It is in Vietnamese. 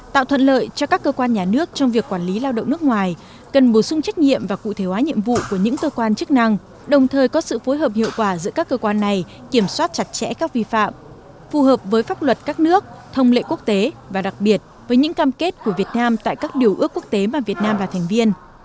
tạo thuận lợi cho các cơ quan nhà nước trong việc quản lý lao động nước ngoài cần bổ sung trách nhiệm và cụ thể hóa nhiệm vụ của những cơ quan chức năng đồng thời có sự phối hợp hiệu quả giữa các cơ quan này kiểm soát chặt chẽ các vi phạm phù hợp với pháp luật các nước thông lệ quốc tế và đặc biệt với những cam kết của việt nam tại các điều ước quốc tế mà việt nam là thành viên